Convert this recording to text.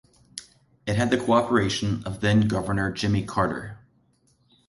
It had the cooperation of then-Governor Jimmy Carter.